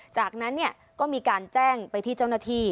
จากนั้นก็มีการแจ้งไปที่เจ้าหน้าที่